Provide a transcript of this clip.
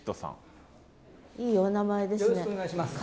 いいお名前ですね。